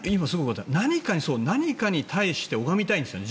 何かに対して拝みたいんですよね。